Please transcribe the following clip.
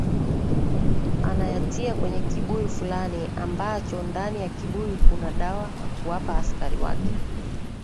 Anayatia kwenye kibuyu fulani ambacho ndani ya kibuyu kuna dawa na kuwapa askari wake